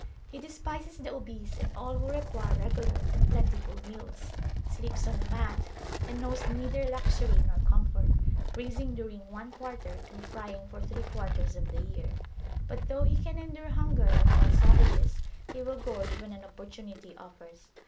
He despises the obese and all who require regular and plentiful meals, sleeps on a mat, and knows neither luxury nor comfort, freezing during one quarter and frying for three quarters of the year. But though he can endure hunger, like all [p.117] savages, he will gorge when an opportunity offers.